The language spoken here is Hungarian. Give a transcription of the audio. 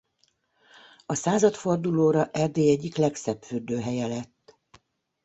A századfordulóra Erdély egyik legszebb fürdőhelye lett.